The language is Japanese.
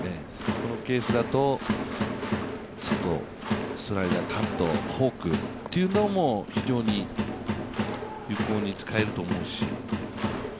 このケースだと、外、スライダー、カット、フォークというのも非常に有効に使えると思うし。